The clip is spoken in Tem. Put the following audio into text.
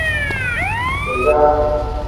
Iza.